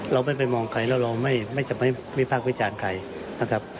เราไม่ไปมองใครแล้วเราไม่วิพากษ์วิจารณ์ใครนะครับ